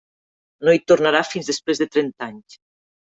No hi tornarà fins després de trenta anys.